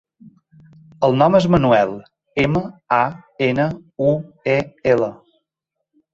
El nom és Manuel: ema, a, ena, u, e, ela.